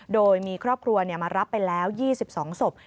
โดยมีครอบครัวมารับไปแล้ว๒๒ศพ